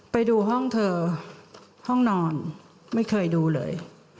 ไปดูห้องเธอห้องนอนไม่เคยดูเลย